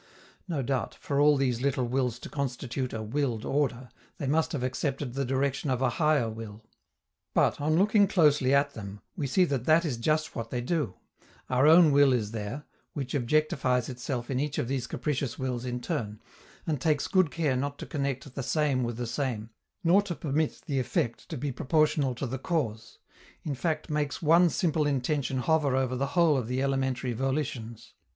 No doubt, for all these little wills to constitute a "willed order," they must have accepted the direction of a higher will. But, on looking closely at them, we see that that is just what they do: our own will is there, which objectifies itself in each of these capricious wills in turn, and takes good care not to connect the same with the same, nor to permit the effect to be proportional to the cause in fact makes one simple intention hover over the whole of the elementary volitions.